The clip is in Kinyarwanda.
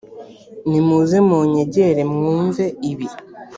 nimuze munyegere mwumve ibi